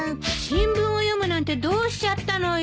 新聞を読むなんてどうしちゃったのよ！？